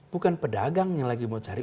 bukan pedagang yang lagi mau cari